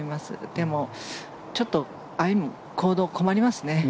でも、ちょっとああいう行動は困りますね。